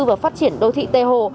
và phát triển đô thị tê hồ